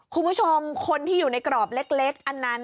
คุณผู้ชมคนที่อยู่ในกรอบเล็กอันนั้น